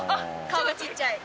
顔がちっちゃい。